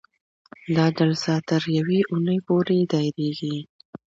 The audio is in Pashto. دا جلسه تر یوې اونۍ پورې دایریږي.